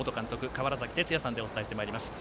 川原崎哲也さんでお伝えしてまいります。